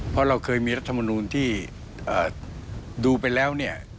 เพราะเราเคยมีรัฐมนูลที่ดูไปแล้วเนี่ย